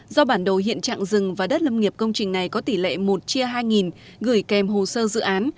do bản đồ hiện trạng rừng và đất lâm nghiệp công trình này có tỷ lệ một chia hai gửi kèm hồ sơ dự án